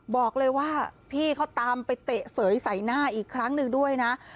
บอกเลยว่าพี่เขาตามไปเตะเสยใส่หน้าอีกครั้งหนึ่งด้วยนะ